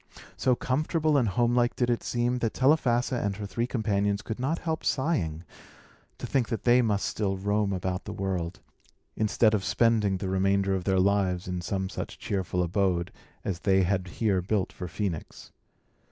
So comfortable and homelike did it seem, that Telephassa and her three companions could not help sighing, to think that they must still roam about the world, instead of spending the remainder of their lives in some such cheerful abode as they had here built for Phœnix.